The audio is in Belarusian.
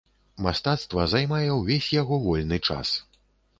Мастацтва займае ўвесь яго вольны час.